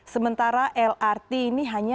sementara lrt ini hanya tiga puluh